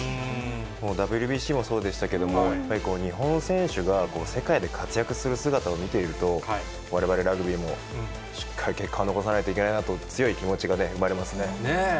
もうＷＢＣもそうでしたけども、やっぱりこう、日本選手が世界で活躍する姿を見ていると、われわれラグビーも、しっかり結果を残さないといけないなと、強い気持ちがね、生まれますね。